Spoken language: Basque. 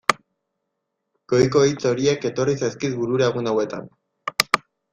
Goiko hitz horiek etorri zaizkit burura egun hauetan.